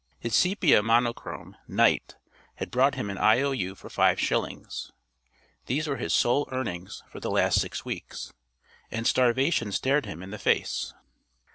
His sepia monochrome, "Night," had brought him an I.O.U. for five shillings. These were his sole earnings for the last six weeks, and starvation stared him in the face.